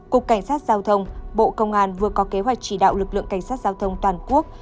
cục cảnh sát giao thông bộ công an vừa có kế hoạch chỉ đạo lực lượng cảnh sát giao thông toàn quốc